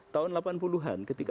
tahun delapan puluh an ketika